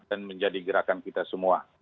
dan menjadi gerakan kita semua